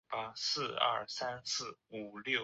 殿试登进士第三甲第四十名。